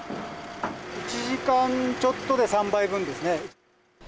１時間ちょっとで３杯分ですね。